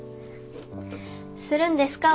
するんですか？